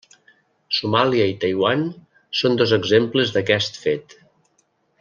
Somàlia i Taiwan són dos exemples d'aquest fet.